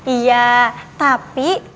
iya tapi maling juga